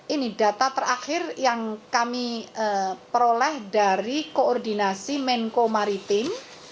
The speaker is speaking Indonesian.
ini data terakhir yang kami peroleh dari koordinasi menko maritim